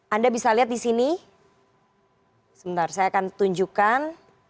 anda bisa lihat di sini sebentar saya akan tunjukkan